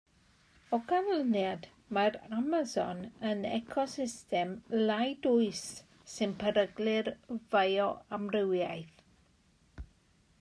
O ganlyniad, mae'r Amason yn ecosystem lai dwys sy'n peryglu'r fioamrywiaeth.